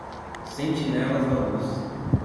Sentinelas da luz